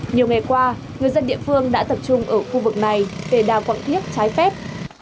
nhiều ngày qua người dân địa phương đã tập trung ở khu vực này để đào quảng thiếc trái phép